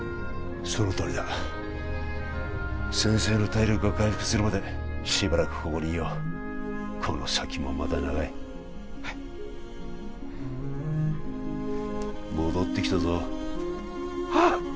そのとおりだ先生の体力が回復するまでしばらくここにいようこの先もまだ長いはい戻ってきたぞあっ！